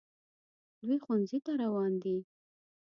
دوی ښوونځي ته روان دي